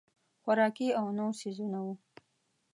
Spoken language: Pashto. خوراکي او نور څیزونه وو.